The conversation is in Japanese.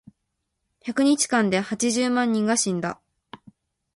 百日間で八十万人が死んだ。